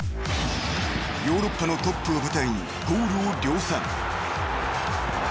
［ヨーロッパのトップを舞台にゴールを量産］